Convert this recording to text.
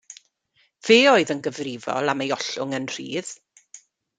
Fe oedd yn gyfrifol am ei ollwng yn rhydd.